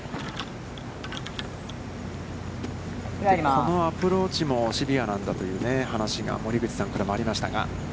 このアプローチもシビアなんだという話も森口さんからもありましたが。